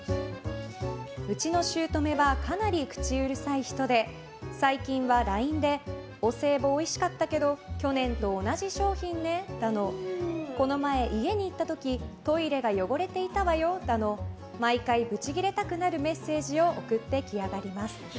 うちのしゅうとめはかなり口うるさい人で最近はＬＩＮＥでお歳暮おいしかったけど去年と同じ商品ねだのこの前、家に行った時トイレが汚れていたわよだの毎回、ブちぎれたくなるメッセージを送ってきやがります。